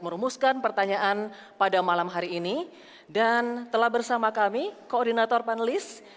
merumuskan pertanyaan pada malam hari ini dan telah bersama kami koordinator panelis